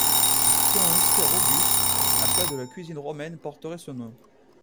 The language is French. Selon l'Histoire Auguste, un plat de la cuisine romaine porterait ce nom.